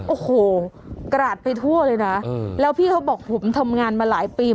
โอ้โหกราดไปทั่วเลยนะแล้วพี่เขาบอกผมทำงานมาหลายปี